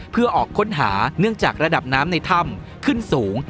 เพื่อออกค้นหาเนื่องจากระดับน้ำในถ้ำขึ้นสูง